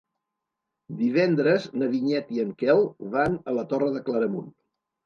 Divendres na Vinyet i en Quel van a la Torre de Claramunt.